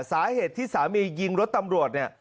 สาเหตุที่สามียิงรถตำรวจ